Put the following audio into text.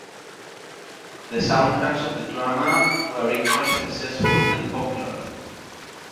The soundtracks of the drama were equally successful and popular.